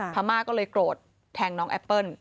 พม่าก็เลยโกรธแทงน้องแอปเปิ้ล